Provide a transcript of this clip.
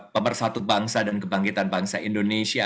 pemersatu bangsa dan kebangkitan bangsa indonesia